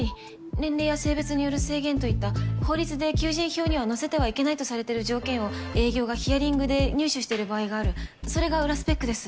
年齢や性別による制限といった法律で求人票には載せてはいけないとされてる条件を営業がヒアリングで入手してる場合があるそれが裏スペックです。